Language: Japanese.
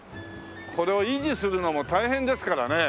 これを維持するのも大変ですからね。